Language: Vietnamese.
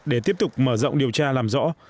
để tiếp tục mở rộng điều tra làm rõ